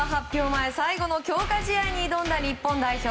前最後の強化試合に挑んだ日本代表。